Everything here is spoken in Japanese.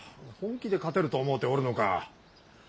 本気で勝てると思うておるのか。